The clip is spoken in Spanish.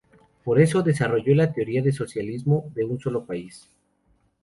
Por eso, desarrollo la teoría de socialismo de un solo país.